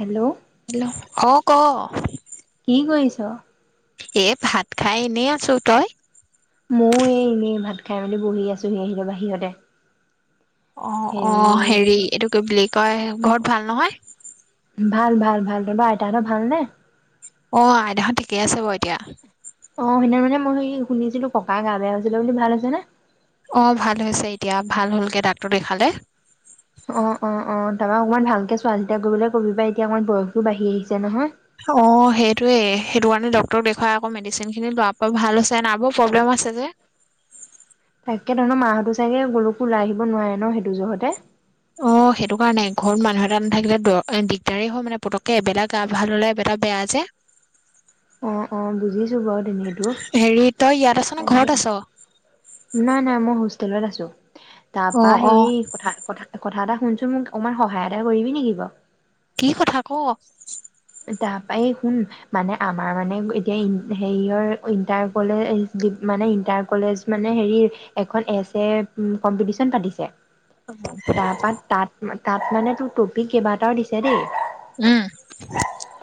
Hello? Hello অ, ক। কি কৰিছ? এ ভাত খাই এনেই আছোঁ, তই? ময়ো এই এনেই ভাত খাই মেলি বহি আছোহি আহিলৈ বাহিৰতে। অ অ হেৰি, এইটোকে বেলেগ তই, ঘৰত ভাল নহয়। ভাল ভাল ভাল তহতঁৰ আইতাহতৰ ভাল নে অ আইতাহত ঠিকে আছে বাৰু এতিয়া অ সেইদিনা মানে মই হৈ শুনিছিলো ককাৰ গা বেয়া হৈছিলে বুলি ভাল হৈছে নে অ ভাল হৈছে এতিয়া ভাল হলগে ডাক্তৰ দেখালে অ অ অ তাৰ পা অকণমান ভালকে চোৱা চিতা কৰিবলৈ কবি বা এতিয়া অকণমান বয়সটো বাঢ়ি আহিছে নহয় অ সেইটোৱে সেইটো কাৰণে ডক্টৰক দেখুৱাই আকৌ মেডিচিন খিনি লোৱাৰ পৰা ভাল হৈছে নাৰ্ভৰ প্ৰব্লেম আছে যে তাকে ধৰ ন মাহঁতে চাগে গুৰুকুল ওলাই আহিব নোৱাৰে ন সেই দুজোৰ সৈতে অ সেইটো কাৰণে ঘৰত মানুহ এটা নাথাকিলে দ দিগদাৰেই হয় মানে পুটুককে এবেলা গা ভাল হলে এবেলা বেয়া যে অ অ বুজিছো বাৰু তেনেই তো হেৰি তই ইয়াত আছ নে তাকে ঘৰত আছ নাই নাই মই হো তলত আছো অ তাৰপা অ হেৰি কথা কথা কথা এটা শুনচোন মোক অকমান সহায় এটা কৰিবি নেকি বাৰু কি কথা ক তাৰপা এই শুন মানে আমাৰ মানে এতিয়া ইন হেৰিয় ইণ্টাৰ কলেজ মানে ইণ্টাৰ কলেজ মানে হেৰিৰ এখন এচ এ কম্পিটিচন পাতিছে তাৰপা তাত মা তাত মানে তোৰ টপিক কেইবাটাও দিছে দেই উম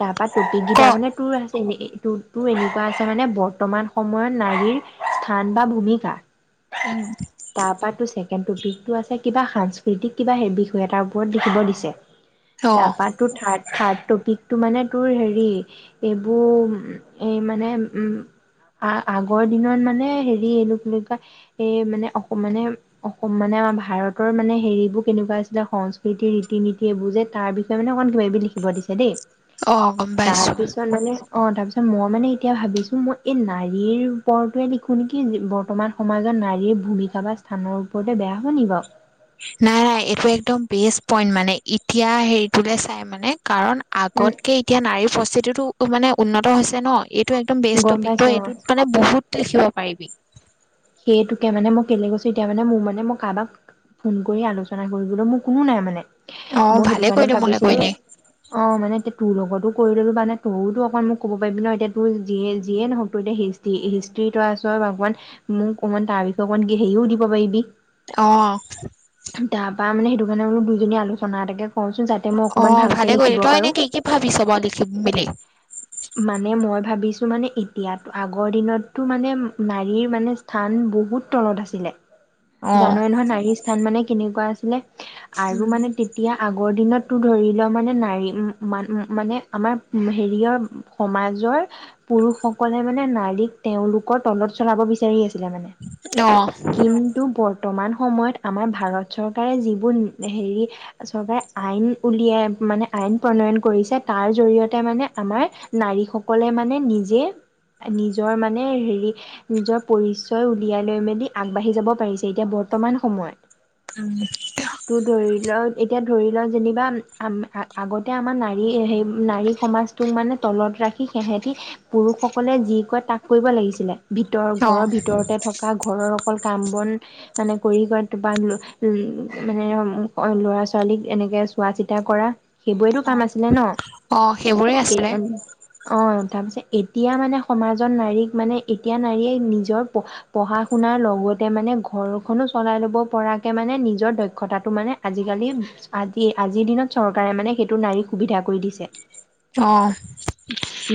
তাৰপা টপিক ক গিটা মানে তোৰ আছে এনে এ তোৰ তোৰএনেকুৱা আছে মানে বৰ্তমান সময়ত নাৰীৰ স্থান বা ভূমিকা উম তাৰপা তোৰ ছেকেণ্ড টপিটো আছে কিবা সাংস্কৃতিক কিবা সেই বিষয় এটাৰ ওপৰত লিখিব দিছে অ তাৰপা তোৰ থাৰ্ড খাদটো [inaudible] পিকটো মানে তোৰ হেৰি এইবোৰ এই মানে আ আগৰ দিনৰ মানে হেৰি এই কি বুলি কয় এই মানে মানে মানে আমাৰ ভাৰতৰ মানে হেৰিবোৰ কেনেকুৱা আছিলে সংস্কৃতি ৰীতি নীতি এইবোৰ যে তাৰ বিষয়ে মানে অকমাণ কিবাকিবি লিখিব দিছে দেই অ গম পাইছো তাৰপিছত মানে অ তাৰপিছ মই মানে এতিয়া ভাবিছো মই এই নাৰীৰ ওপৰতে লিখো নেকি বৰ্তমান সমাজত নাৰীৰ ভূমিকা বা স্থানৰ ওপৰতে বেয়া হব নেকি বাৰু নাই নাই এইটো একদম বেষ্ট পইন্ট মানে এতিয়া হেৰিটোলে চাই মানে কাৰণ উম আগতকে এতিয়া নাৰীৰ উপস্হিতিটো টো মানে উন্নত হৈছে ন এইটো একদম বেষ্ট গম টপিক পাইছো তই অ এইটোত মানে বহুত লিখিব পাৰিবি সেইটোকে মানে মই কেলে গৈছো এতিয়া মানে মোৰ মানে মই কাৰোবাক ফোন কৰি আলোচনা কৰিবলৈ মোৰ কোনো নাই মানে অ মই সেইটো ভালে কাৰণে কৰিলি মোলে ভাবিছিলো কৰিলি অ মানে এতিয়া তোৰ লগতো কৰিললো কাৰনে তইও তো অকণ মোক ক'ব পাৰিবি ন এতিয়া তোৰ যিয়ে যিয়ে নহওক তোৰ এতিয়া হিষ্টৃ হিষ্টৃ তই আছই বাৰু অকমান মোক অকণমান তাৰ বিষয়ে অকণমান কে হেৰিও দিব পাৰিবি অহ তৰ মানে সেইটো কাৰণে বলো দুইজনী আলোচনা এটাকে কচোন যাতে মই অ অকমান ভালকে ভালে লিখিব কৰিলি তই পাৰো এনে কি কি ভাবিছ বাৰু লিখিম বুলি মানে মই ভাবিছো মানে এতিয়াতো আগৰ দিনতটো মানে নাৰীৰ মানে, থান বহুত তলত আছিলে। অ জানয় নহয় নাৰীৰ স্থান মানে কেনেকুৱা আছিলে, আৰু মানে তেতিয়া আগৰ দিনত, তো ধৰি ল', মানে নাৰী মান -মানে আমাৰ হেৰিয়ৰ সমাজৰ পুৰুষসকলে মানে নাৰীক তেওঁলোকৰ তলত চলাব বিচাৰি আছে। যে মানে অ কিন্তু বৰ্ত, বৰ্তমান সময়ত আমাৰ ভাৰত চৰকাৰে যিবোৰ হেৰি চৰকাৰে আইন উলিয়াই মানে আইন প্ৰণয়ন কৰিছে, তাৰ জৰিয়তে মানে আমাৰ নাৰীসকলে মানে নিজে -নিজৰ মানে হেৰি নিজৰ পৰিচয়, তই উলিয়াই লৈ মেলি আগবাঢ়ি যাব পাৰিছে এতিয়া বৰ্তমান সময়ত। উম, তোৰ ধৰি ল', - এতিয়া ধৰি ল', যেনিবা আগতে আমাৰ নাৰী সেই নাৰী সমাজটোক মানে তলত ৰাখি সিহেতি পুৰুষসকলে, যি কয় তাক কৰিব লাগিছিলে, ভিতৰ অ ঘৰৰ ভিত, থকা ঘৰৰ অকল কাম বন মানে কৰি ক'ত বা মানে ল'ৰা -ছোৱালীক এনেকে চোৱা চিতা কৰা, সেইবোৰেটো কাম আছিলে অ সেইবোৰে আছিলে ন', অ, - তাৰপিছত এতিয়া মানে সমাজৰ নাৰীক মানে এতিয়া নাৰীয়ে নিজৰ, পঢ়া -শুনাৰ লগতে মানে ঘৰখনো চলাই লব পৰাকে, মানে নিজৰ দক্ষতাটো মানে আজিকালি আজি আজিৰ দিনত চৰকাৰে মানে সেইটো নাৰীক সুবিধা কৰি দিছে। অ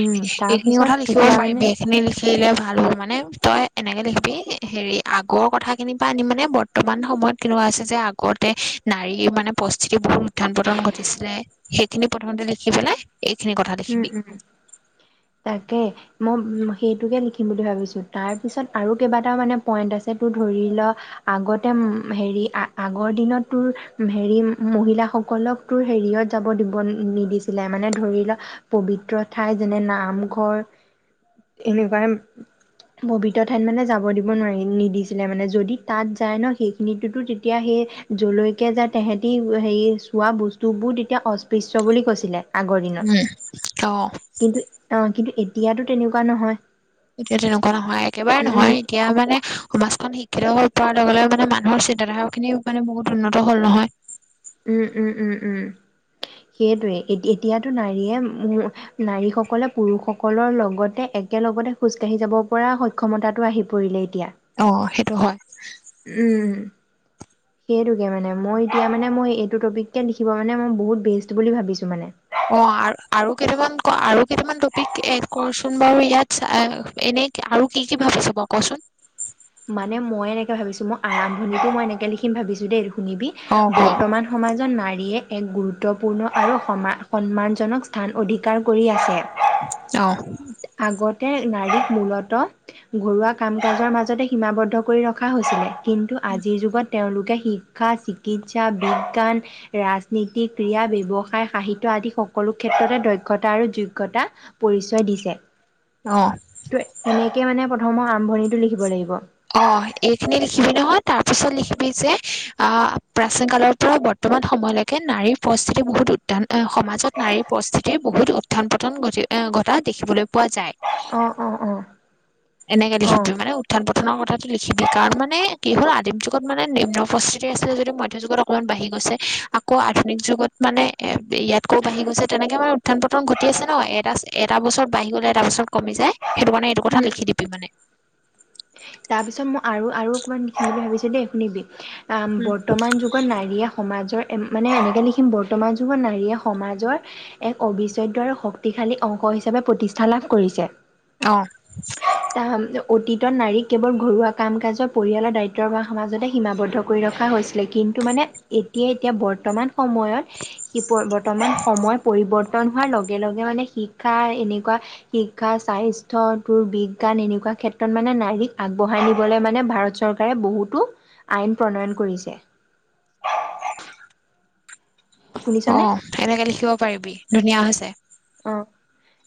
উম এইখিনি তাৰপিছত কথা লিখিব এতিয়া মানে পাৰিবি এইখিনি লিখিলে ভাল হব মানে তই এনেকে লিখিব হেৰি আগৰ কথাখিনিৰ পৰা আনি মানে বৰ্তমান সময়ত কেনেকুৱা আছে যে আগতে নাৰীৰ মানে পৰিস্থিতি বহুত উথান - পতন ঘটিছিলে সেইখিনি প্ৰথমতে লিখি পেলাই, এইখিনি কথা উম লিখিবি -উম তাকে। মই সেইটোকে লিখিম বুলি ভাবিছোঁ, তাৰপিছত আৰু কেইবাটাও মানে পইণ্ট আছে তোৰ ধৰি ল', আগতে হেৰি আগৰ দিনত তোৰ হেৰি মহিলাসকলক তোৰ হেৰিয়ত যাব দিব নিদিছিলে মানে ধৰি ল, ' পবিত্ৰ ঠাই যেনে নামঘৰ এনেকুৱাই পবিত্ৰ ঠাইত মানে যাব দিব নোৱাৰি নিদিছিলে মানে, যদি তাত যায় ন', সেইখিনিতোটো তেতিয়া সেই যলৈকে যায় তেহেতি হেৰি চোৱা বস্তুবোৰ তেতিয়া অস্পৃশ্ বুলি কৈছিলে। আগৰ দিনত। উম অ কিন্তু, কিন্তু এতিয়াতো তেনেকুৱা নহয়। এতিয়া তেনেকুৱা নহয়, একেবাৰে উম উম নহয় এতিয়া মানে সমাজখন শিক্ষিত হয়, পোৱাৰ লগে- লগে মানে মানুহৰ চিন্তাধাৰা খিনি মানে বহুত উন্নত হ'ল, নহয়। উম -উম -উম -উম সেইটোৱে এতিয়াতো নাৰীয়ে, নাৰীসকলে পুৰুষসকলৰ লগতে একেলগতে খোজকাঢ়ি যাব পৰা সক্ষমতাটো আহি পৰিলে এতিয়া। অ', সেইটো হয়। উম সেইটোকে মানে, মই, এতিয়া মানে মই এইটো টপিক কে লিখিব মানে মই বহুত বেষ্ট বুলি ভাবিছো মানে। অ ', আৰু কেইটামান আৰু কেইটামান টপিক এড কৰ চোন বাৰু ইয়াত এনে আৰু কি কি ভাবিছ বাৰু কচোন? মানে মই এনেকে ভাবিছো, মোৰ আৰম্ভণিটো মই এনেকে লিখিম ভাবিছো দেই, শুনিবি অ ক বৰ্তমান সমাজত নাৰী, - দিয়ে এক গুৰুত্বপূৰ্ণ আৰু সন্মানজনক স্থান অধিক, কাম কৰি আছে, অ আগতে নাৰীক মূলত ঘৰুৱা- কাম কাজৰ মাজতে সীমাবদ্ধ কৰি ৰখা হৈছিলে। কিন্তু আজিৰ- যুগত তেওঁলোকে, শিক্ষা, চিকিৎসা, বিজ্ঞান, ৰাজনীতি, ক্ৰীড়া, ব্যৱসায়, সাহিত্য আদি সকলো ক্ষেত্ৰতে দক্ষতা আৰু যোগ্যতা পৰিচয় দিছে। অ তো এনেকে মানে প্ৰথমৰ আৰম্ভণিটো লিখিব লাগিব। অ এইখিনি লিখিবি নহয়, তাৰ পিছত লিখিবি যে, আঁ, প্ৰাচীন কালৰ পৰা বৰ্তমান সময়লৈকে নাৰীৰ পৰিস্থিতিৰ বহুত উত্থান, ‌ সমাজত নাৰীৰ পৰিস্থিতিৰ বহুত উত্থান পতন ঘটি অঁ, ঘটা দেখিবলৈ পোৱা যায়। অ', অ', অ', এনেকে অ', লিখিবি মানে উত্থান পতন নৰ কথাটো লিখিবি, কাৰণ মানে, কি হ'ল আদিম যুগত মানে নিম্ন পৰিস্থিতি আছিলে যদি মধ্যযুগত অকণমান বাঢ়ি গৈছে, ‌আকৌ আধুনিক যুগত মানে ইয়াতকৈ বাঢ়ি গৈছে, তেনেকে মানে উত্থান পতন ঘটি আছে ন, এটা, এটা বছৰত বাঢ়ি গ'লে এটা বছৰত কমি যায়। সেইটো কাৰণে এইটো কথা উম, লিখি দিবি মানে। তাৰপিছত মই আৰু আৰু অকমান লিখিম‌ বুলি ভাবিছোঁ দেই শুনিবি। অ' উম বৰ্তমান যুগত নাৰীয়ে সমাজৰ মানে, এনেকে লিখিম বৰ্তমান বৰ্তমান যুগত নাৰীয়ে সমাজৰ এক অবিচ্ছেদ্য আৰু শক্তিশালী অংশ হিচাপে প্ৰতিষ্ঠা লাভ কৰিছে। অঁ'! অতীতত নাৰীক কেৱল ঘৰুৱা কাম কাজৰ, পৰিয়ালৰ দায়িত্বৰ বা সমাজতে সীমাবদ্ধ কৰি ৰখা হৈছিলে, কিন্তু মানে, এতিয়াই এতিয়া বৰ্তমান সময়ত সি বৰ্তমান সময়ত পৰিৱৰ্তন তন হোৱাৰ লগে লগে মানে, শিক্ষা, এনেকুৱা শিক্ষা স্বাস্থ্য, তোৰ বিজ্ঞান এনেকুৱা ক্ষেত্ৰত মানে নাৰীক আগবঢ়াই নিবলৈ মানে ভাৰত চৰকাৰে বহুতো আইন প্ৰণয়ন কৰিছে। অ শুনিছনে এনেকে লিখিব পাৰিবি। ধুনীয়া হৈছে। অ'হ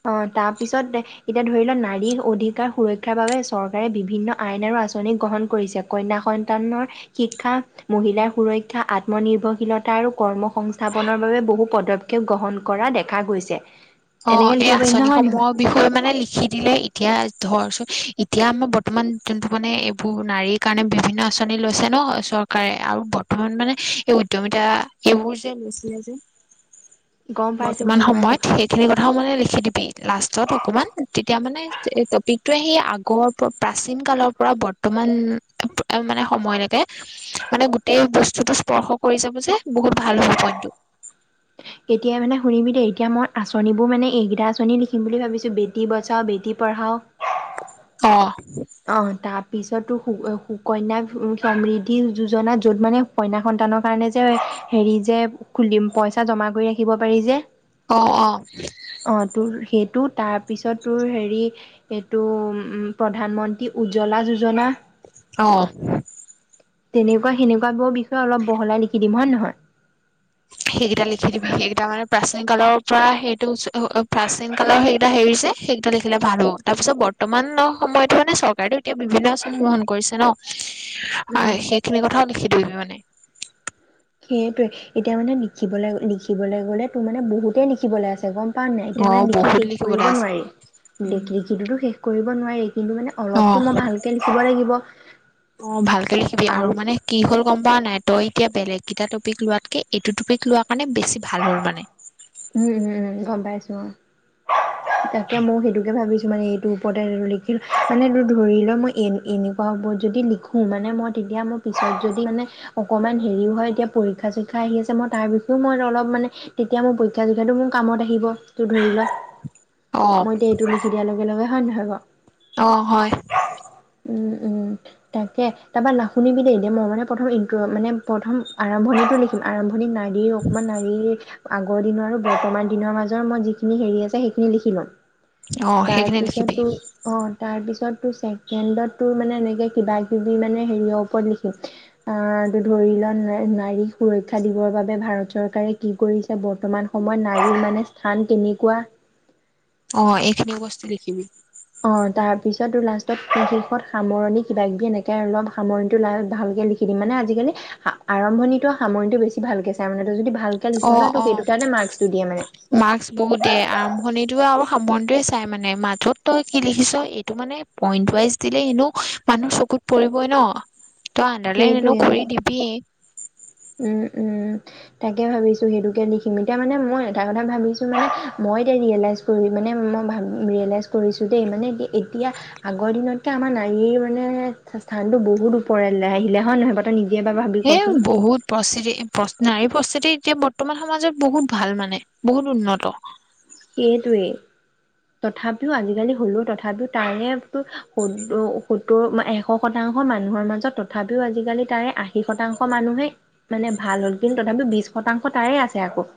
অ'হ তাৰপিছত এতিয়া ধৰি লোৱা, নাৰীৰ অধিকাৰ সুৰক্ষাৰ বাবে চৰকাৰে বিভিন্ন আইন আৰু আঁচনি গ্ৰহণ কৰিছে। কন্যা সন্তানৰ শিক্ষা, মহিলাৰ সুৰক্ষা আত্মনিৰ্ভৰশীলতা আৰু কৰ্ম সংস্থাপনৰ বাবে বহু পদক্ষেপ গ্ৰহণ কৰা দেখা গৈছে। অ এনেকে এই লিখিব পাৰিম আঁচনি নহয় নহয় সমূহৰ বিষয়ে মানে লিখি দিলে এতিয়া ধৰচোন এতিয়া আমাৰ বৰ্তমান যোনটো মানে এইবোৰ নাৰীৰ কাৰণে বিভিন্ন আঁচনি লৈছে ন চৰকাৰে আৰু বৰ্তমান মানে এই উদ্যমিতা এইবোৰ যে লৈছিলে যে। গম পাইছোঁ, বৰ্তমান গম পাইছোঁ। সময়ত সেইখিনি কথাও মানে লিখি দিবি লাষ্টত অকমান, তেতিয়া মানে এই টপিকটোৱে সি, আগৰ প্ৰাচীন কালৰ পৰা বৰ্তমান মানে, সময়লৈকে মানে, গোটেই বস্তুটো স্পৰ্শ কৰি যাব যে বহুত ভাল হ'ব পইণ্টো। এতিয়াাই মানে শুনিবি দেই, এতিয়া মই আঁচনিবোৰ মানে, এইকেইটা আঁচনি লিখিম বুলি ভাবিছোঁ, বেটি বচাও, বেটি পঢ়াও। অ'। অ তাৰ পিছতোঁ সুকন্যা সমৃদ্ধি যোজনাত য'ত মানে, কনা সন্তানৰ কাৰণে যে, হেৰি যে খুলি, পইচা জমা কৰি ৰাখিব পাৰি যে। অ' অ' অ', তোৰ সেইটো তাৰপিছত তোৰ‌ হেৰি, ‌ সেইটো, প্ৰধানমন্ত্ৰী এই উজ্বলা যোজনা অ'। তেনেকুৱা সেনেকুৱাবোৰৰ বিষয়ে অলপ বহলাই লিখি দিম হয় নহয়? সেইকেইটা লিখি দিবি সেইকেইটা মানে প্ৰাচীন কালৰ পৰা সেইটো প্ৰাচীন কালৰ সেইকেইটা হেৰি দে সেইকেইটা লিখিলে ভাল হ'ব। তাৰ পিছত বৰ্তমান সময়তো মানে চৰকাৰেটো এতিয়া বিভিন্ন আঁচনি গ্ৰহন কৰিছে ন। উম। সেইখিনি কথাও লিখি [unintelligible] মনে সেইয়টোৱে, এতিয়া মানে লিখিবলৈ, লিখিবলৈ গ'লে তোৰ মানে বহুতেই লিখিবলৈ আছে গম পাঅ নাই, অ এতিয়া মানে লিখি বহুত শেষ কৰিব লিখিবলৈ আছে নোৱাৰি। লিখিতো তো শেষ কৰিব ব নোৱাৰি। কিন্তু মানে অ অলপতো মই ভালকৈ লিখিব লাগিব অ ভালকে লিখিবি আৰু মানে কি হ'ল গম পোৱা নাই তই এতিয়া বেলেগ কেইটা টপিক লোৱাতকে এইটো টপিক লোৱা কাৰণে বেছি ভাল হ'ল মানে উম উম উম গম পাইছো অঁ তাকে মই সেইটোকে ভাবিছো মে এইটো ওপৰতেটো লিখিলো মানে এইটো ধৰি লোৱা মই এনেকুৱা ওপৰত যদি লিখো মানে মই তেতিয়া মোৰ পিছত যদি মানে অকমান হেৰি হয় এতিয়া পৰীক্ষা চৰীক্ষা আহি আছে মই তাৰ বিষয়ও মই অলপ মানে তেতিয়া মই প জখা জোখাটো মোৰ কামত আহিব তোৰ ধৰি লোৱা অ মই এতিয়া এইটো লিখি দিয়াৰ লগে লগে উম হব অঁ হয় উম উম তাকে তাৰপৰা না শুনিবিলে এদ মই মানে প্ৰথম ই মানে প্ৰথম আৰম্ভণিতো লিখিম আৰম্ভণিত নাৰীৰ অকমান নাৰীৰ আগৰ দিনৰ আৰু বৰ্তমান দিনৰ মাজৰ মই যিখিনি হেৰি আছে সেইখিনি লিখি ল'ম অ সেইখিনি লিখিবি তাৰপিছতো অঁ তাৰপিছত ত ছেকেণ্ডত তোৰ মানে এনেকে কিবা কিবি মানে হেৰিয়ৰ ওপৰত লিখিম আহ ত ধৰি লোৱা নাৰীক সুৰক্ষা দিবৰ বাবে ভাৰত চৰকাৰে কি কৰিছে বৰ্তমান অসমত নাৰীৰ মানে স্থান কেনেকুৱা অঁ এইখিনিও লিখিবি অঁ তাৰপিছত লাষ্টত শেষত সামৰণি কিবা কিবি এনেকে অলপ সামৰণিটো ভালকে লিখি দিম মানে আজিকালি আৰম্ভণিটো সামৰণিটো বেছি ভালকে চাই মানটো যদি ভ অঁ অঁ মাস্ক বহুত দিয়ে আৰম্ভণিতটো আৰু সামৰন্তয়ে চাই মানে মাজত তই কি লিখিছ এইটো মানে পইন্ট ৱাইজ দিলে এনে মানুহ চকুত পৰিবই ন তই আণ্ডাৰলাইন এনে সেইটোৱে কৰি অ'। দিবি উম উম তাকে ভাবিছো সেইটোকে লিখিম এতিয়া মানে মই এটা কথা ভাবিছো মানে মই এতিয়া ৰিয়েলাইজ কৰি মানে মই ভ ৰিয়েলাইজ কৰিছো দেই মানে এতিয়া আগৰ দিনতকে আমাৰ নাৰীৰ মানে স্থানতটো বহুত ওপৰলৈ আহিলে হয় নহয় ব কেতিয়াবাৰ ভাবি কচোন প্ৰস্থিতি নাৰী প্ৰস্থিতি এতিয়া বৰ্তমান সমাজত বহুত ভাল মানে বহুত উন্নত। সেইটোৱেই তথাপিও আজিকালি হলওঁ তথাপিওঁ তাৰে সত্তৰ এশ শতাংশ মানুহৰ মাজত তথাপিওঁ আজিকালি তাৰে আশী শতাংশ মানুহে মানে ভাল হ'ল কিন্তু তথাপি বিশ শতাংশ তাৰে আছে আকৌ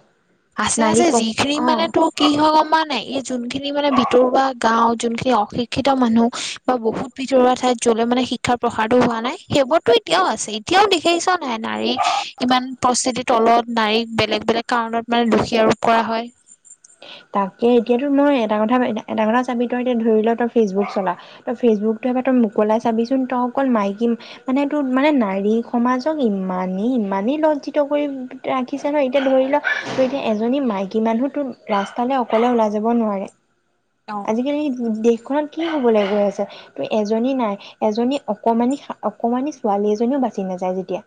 আছে আছে নাৰীক যিখিনি মানে অ তোক কি হয় জান নাই এই যোনখিনি মানে ভিতৰুৱা গাও যোনখিনি অশিক্ষিত মানুহ বা বহুত ভিতৰুৱা ঠাইত য'লৈ মানে শিক্ষাৰ প্ৰসাৰো হোৱা নাই সেইবোৰতো এতিয়াও আছে এতিয়াও দেখিছ নাই নাৰী ইমান পৰিস্থিতিৰ তলত নাৰীক বেলেগ বেলেগ কাৰণত। মানে দোষী আৰোপ কৰা হয়। তাকে এতিয়াতো মই এটা কথা এটা কথা চাবি তই এতিয়া ধৰি ল তই ফেচবুক চলা তই ফেচবুকতটো এবাৰ তই মোকলাই চাবিচোন তই অকল মাইকী মানে তোৰ মানে নাৰী সমাজক ইমানেই ইমানেই লজ্জিত কৰি ৰাখিছ ন এতিয়া ধৰি ল ত এতিয়া এজনী মাইকী মানুহ তোৰ। ৰাস্তালৈ অকলে ওলাই যাব নোৱাৰে। অ আজিকালি দে। ত কি হব লে গৈ আছে ত এজনী নাই এজনী অকমানি অকমানি ছোৱালী এজনীও বাচি নাযায় যেতিয়া।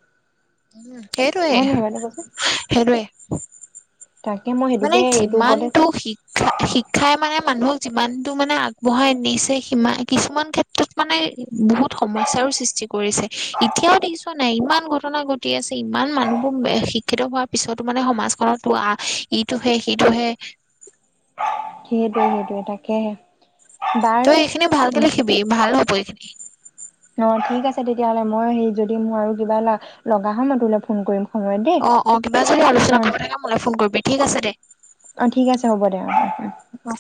সেইটোৱেই হয় নহয় বাৰু কচোন সেইটোৱেই তাকে মই সেইটোকে এইটোৰ ওপৰতে ইমানতো শিক্ষা শিক্ষাই মানে মানুহক যিমানটো মানে আগবঢ়াই নিছে সিমা কিছুমান ক্ষেত্ৰত মানে বহুত সমস্যাৰো সৃষ্টি কৰিছে এতিয়াও দেখিছ নাই ইমান ঘটনা ঘটি আছে ইমান মানুহবোৰ শিক্ষিত হোৱাৰ পিছতো মানে সমাজখনত পোৱা ইটোহে সিটোহে সেইটোৱে তু তাকেহে বাৰু তই এইখিনি ভালকে উম লিখিবি ভাল হ'ব এইখিনি। [inaudible] অ ঠিক আছে তেতিয়াহ'লে মই হে যদি মোৰ আৰু কিবা লগা হয় ন তোলে ফোন কৰিম। সময়ত দেই অ অ কিবা যদি অ আলোচনা কৰিব থাকে মোলে ফোন কৰিবি ঠিক আছে দে অ ঠিক আছে হ'ব দে অ অ।